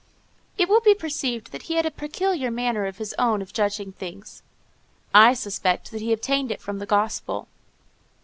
It will be perceived that he had a peculiar manner of his own of judging things: I suspect that he obtained it from the Gospel.